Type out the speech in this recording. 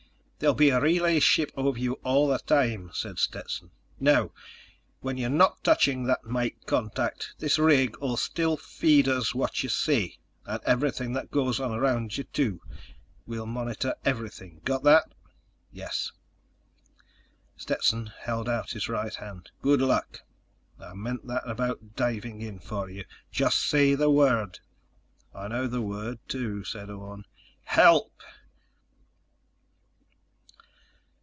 "There'll be a relay ship over you all the time," said Stetson. "Now ... when you're not touching that mike contact this rig'll still feed us what you say ... and everything that goes on around you, too. We'll monitor everything. Got that?" "Yes." Stetson held out his right hand. "Good luck. I meant that about diving in for you. Just say the word." "I know the word, too," said Orne. "HELP!"